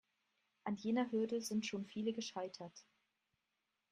An jener Hürde sind schon viele gescheitert.